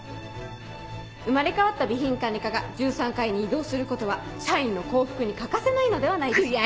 生まれ変わった備品管理課が１３階に移動することは社員の幸福に欠かせないのではないでしょうか。